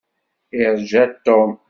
Irǧa Tom.